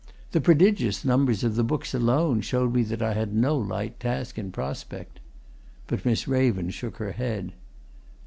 The prodigious numbers of the books alone showed me that I had no light task in prospect. But Miss Raven shook her head.